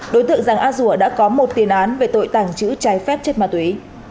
đối tượng giàng a rùa đã có một tiền án về tội tàng trữ trái phép chất ma túy